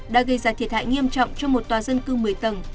đã gây ra thiệt hại nghiêm trọng cho một tòa dân cư một mươi tầng